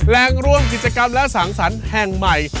แรงร่วมกิจกรรมและสังสรรค์แห่งใหม่